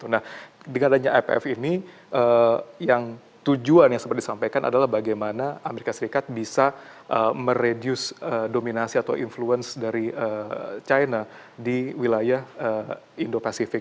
nah dengan adanya ipf ini yang tujuan yang seperti disampaikan adalah bagaimana amerika serikat bisa mereduce dominasi atau influence dari china di wilayah indo pasifik